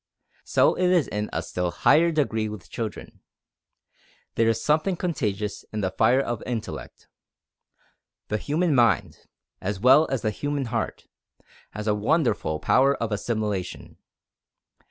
So it is in a still higher degree with children. There is something contagious in the fire of intellect. The human mind, as well as the human heart, has a wonderful power of assimilation.